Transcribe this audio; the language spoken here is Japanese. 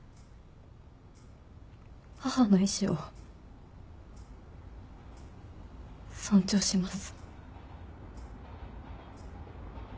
母の意思を尊重します。